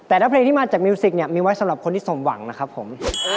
แต่ถ้าเพลงที่มาจากมิวสิกเนี่ยมีไว้สำหรับคนที่สมหวังนะครับผม